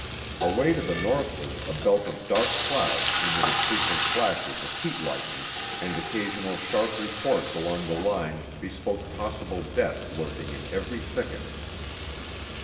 Away to the northward a belt of dark clouds emitted frequent flashes of heat lightning, and occasional sharp reports along the line bespoke possible death lurking in every thicket.